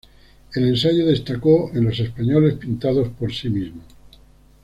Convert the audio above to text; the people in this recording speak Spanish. En ensayo destacó en "Los españoles pintados por sí mismos".